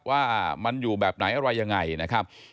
ว่ามันอยู่แบบไหนอะไรยังไงนะครับ